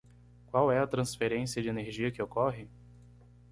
Qual é a transferência de energia que ocorre?